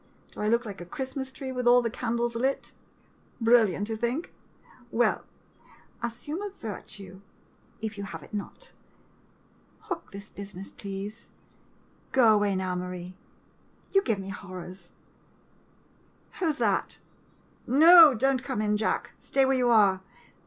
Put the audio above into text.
Do I look like a Christmas tree with all the candles lit? Brilliant, you think? Well — assume a virtue, if you have it not! Hook this business, please. Go away, now, Marie ; 18 A MODERN BECKY SHARP you give me the horrors. Who's that? No — don't come in, Jack. Stay where you are.